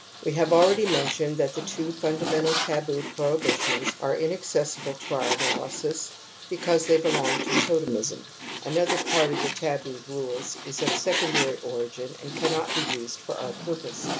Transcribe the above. We have already mentioned that the two fun damental taboo prohibitions are inaccessible to our analysis because they belong to totemism ; another part of the taboo rules is of secondary origin and cannot be used for our purpose.